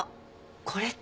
これって。